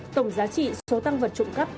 tổng giá trị số tăng vật trộm cắt